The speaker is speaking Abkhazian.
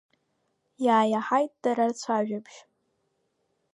Иааиаҳаит дара рцәажәабжь.